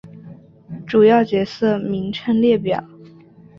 主要角色名称列表。